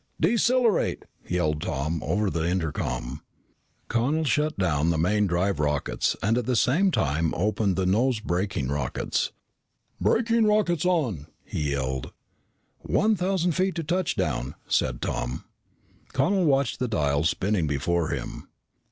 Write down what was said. "Decelerate!" yelled Tom over the intercom. Connel shut down the main drive rockets and at the same time opened the nose braking rockets. "Braking rockets on!" he yelled. "One thousand feet to touchdown," said Tom. Connel watched the dials spinning before him.